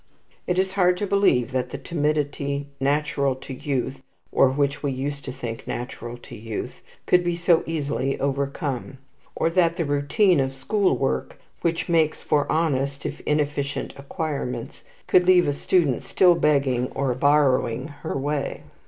It is hard to believe that the timidity natural to youth or which we used to think natural to youth could be so easily overcome; or that the routine of school work, which makes for honest if inefficient acquirements, could leave a student still begging or borrowing her way.